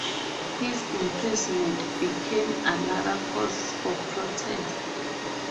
His imprisonment became another cause for protest.